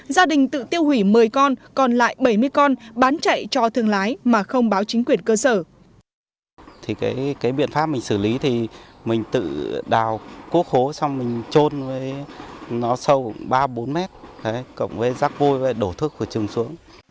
gia đình tự tiêu hủy một mươi con còn lại bảy mươi con bán chạy cho thương lái mà không báo chính quyền cơ sở